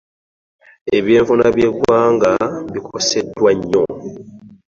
Ebyenfuna by'eggwanga bikoseddwa nnyo.